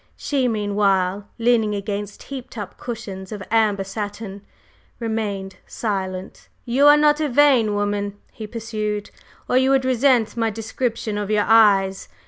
She, meanwhile, leaning against heaped up cushions of amber satin, remained silent. "You are not a vain woman," he pursued, "or you would resent my description of your eyes.